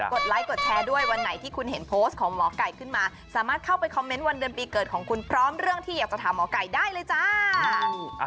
ไลค์กดแชร์ด้วยวันไหนที่คุณเห็นโพสต์ของหมอไก่ขึ้นมาสามารถเข้าไปคอมเมนต์วันเดือนปีเกิดของคุณพร้อมเรื่องที่อยากจะถามหมอไก่ได้เลยจ้า